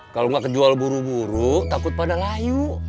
kalau nggak kejual buru buru takut pada layu